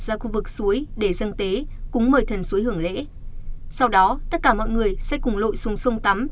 ra khu vực suối để dân tế cúng mời thần suối hưởng lễ sau đó tất cả mọi người sẽ cùng lội xuống sông tắm